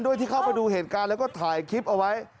ที่เข้าไปดูเหตุการณ์แล้วก็ถ่ายคลิปเอาไว้